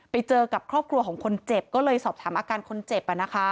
ไปเจอกับครอบครัวของคนเจ็บก็เลยสอบถามอาการคนเจ็บ